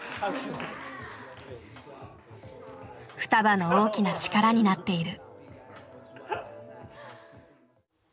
ふたばの大きな力になっている。